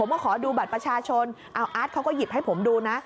มาขอดูบัตรประชาชนเอาอาร์ตเขาก็หยิบให้ผมดูนะ